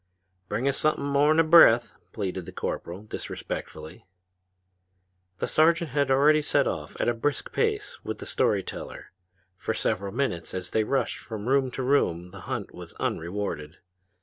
"Bring us something more'n a breath," pleaded the corporal, disrespectfully. The sergeant had already set off at a brisk pace with the story teller. For several minutes as they rushed from room to room the hunt was unrewarded.